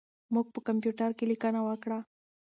موږ په کمپیوټر کې لیکنه وکړه.